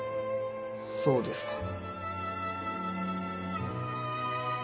そうですか。